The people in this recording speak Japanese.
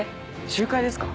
集会ですか？